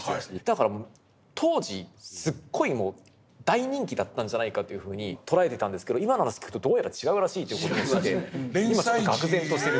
だから当時すっごいもう大人気だったんじゃないかというふうに捉えてたんですけど今の話聞くとどうやら違うらしいという事でして今ちょっとがく然としてる。